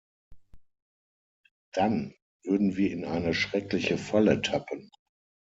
Dann würden wir in eine schreckliche Falle tappen.